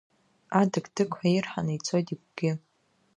Адық-дықҳәа ирҳаны ицоит игәгьы.